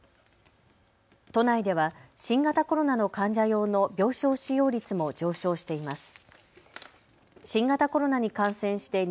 都内では新型コロナの患者用の病床使用率も上昇しています。